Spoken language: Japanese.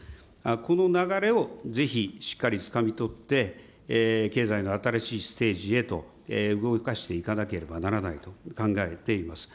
この流れをぜひしっかりつかみ取って、経済の新しいステージへと動かしていかなければならないと考えています。